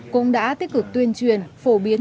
cũng đã tích cực tuyên truyền phổ biến